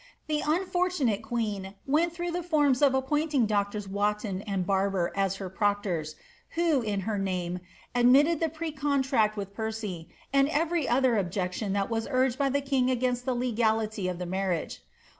The unfortunate queen went through the forms of appointing doctors Wottoa and Barbour as her proctors, who, in her name, admitted the pre con tract with Percy, and every other objection that was urged by the king against the legality of the marriage.